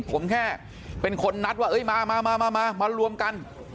ผมแค่เป็นคนนัดว่ามามารวมกัน